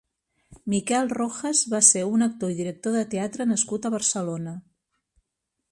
Miquel Rojas va ser un actor i director de teatre nascut a Barcelona.